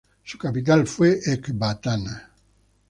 Su capital fue Ecbatana.